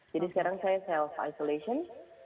jadi sekarang saya self isolation